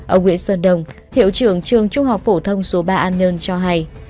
ở nguyễn sơn đông hiệu trường trường trung học phổ thông số ba an nhơn cho hay